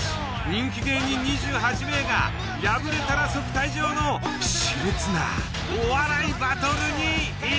人気芸人２８名が敗れたら即退場のしれつなお笑いバトルに挑む。